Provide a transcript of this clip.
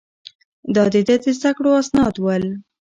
دا د ده د زده کړو اسناد ول.